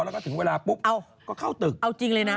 แล้วก็ถึงเวลาปุ๊บเอาจริงเลยนะ